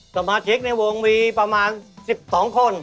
สมาชิกในวงมีประมาณ๑๒คน